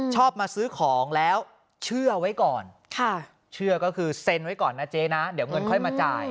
ชอบมาซื้อของแล้วเชื่อไว้ก่อนเชื่อก็คือเซ็นไว้ก่อนนะเจ๊นะเดี๋ยวเงินค่อยมาจ่าย